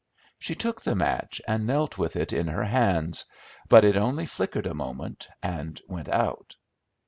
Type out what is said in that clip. She took the match, and knelt with it in her hands; but it only flickered a moment, and went out.